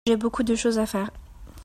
J'ai beaucoup de choses à faire.